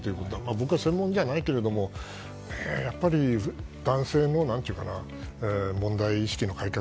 僕は専門じゃないけれども男性の問題意識の改革